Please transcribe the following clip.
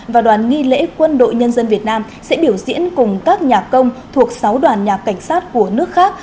và đoàn nghi lễ quân đội nhân dân việt nam sẽ biểu diễn cùng các nhà công thuộc sáu đoàn nhà cảnh sát của nước khác